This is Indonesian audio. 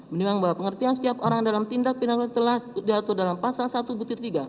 menimbang bahwa pengertian setiap orang dalam tindak pidana telah diatur dalam pasal satu butir tiga